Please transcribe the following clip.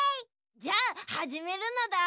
じゃあはじめるのだ。